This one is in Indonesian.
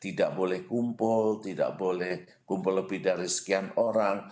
tidak boleh kumpul tidak boleh kumpul lebih dari sekian orang